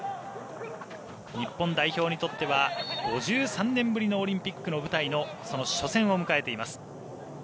日本代表にとっては５３年ぶりのオリンピックの舞台のその初戦を迎えています。